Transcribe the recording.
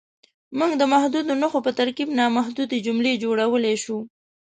موږ د محدودو نښو په ترکیب نامحدودې جملې جوړولی شو.